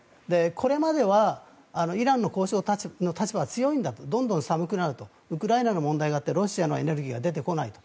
これまではイランの交渉の立場が強いんだとどんどん寒くなるとウクライナの問題があってロシアのエネルギーが出てこないと。